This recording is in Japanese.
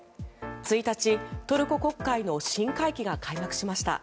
１日、トルコ国会の新会期が開幕しました。